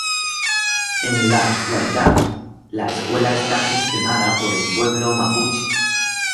En la actualidad la escuela está gestionada por el Pueblo Mapuche.